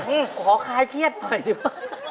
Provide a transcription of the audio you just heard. อื้นขอคายเครียดไปสิพ่อ